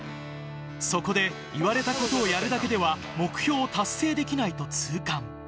そこで言われたことをやるだけでは、目標を達成できないと痛感。